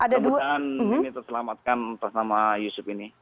semoga ini terselamatkan pada yusuf ini